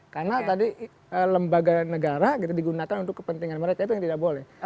karena tadi lembaga negara digunakan untuk kepentingan mereka itu yang tidak boleh